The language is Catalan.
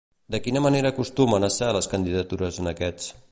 De quina manera acostumen a ser les candidatures en aquestes?